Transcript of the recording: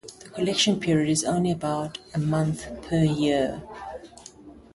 The collection period is only about a month per year.